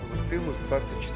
pertemuan dua puluh empat tuhan